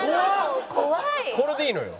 これでいいのよ。